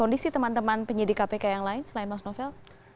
kondisi teman teman penyidik kpk yang lain selain mas novel